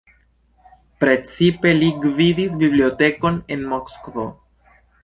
Precipe li gvidis bibliotekon en Moskvo.